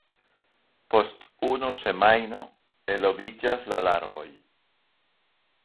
Post unu semajno eloviĝas la larvoj.